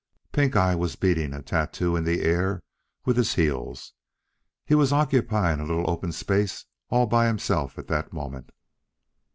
Pink eye was beating a tattoo in the air with his heels. He was occupying a little open space all by himself at that moment.